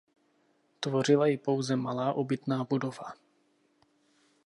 Tvořila ji pouze malá obytná budova.